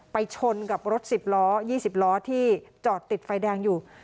ชนกับรถ๑๐ล้อ๒๐ล้อที่จอดติดไฟแดงอยู่